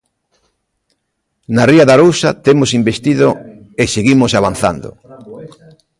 Na ría de Arousa temos investido e seguimos avanzando.